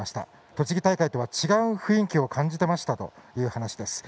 栃木大会とは違う雰囲気を感じていましたという話です。